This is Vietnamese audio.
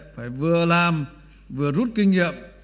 phải vừa làm vừa rút kinh nghiệm